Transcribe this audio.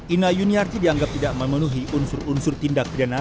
ina yuniarti dianggap tidak memenuhi unsur unsur tindak pidana